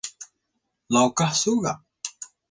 lawkah su ga?